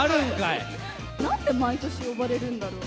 なんで毎年呼ばれるんだろう。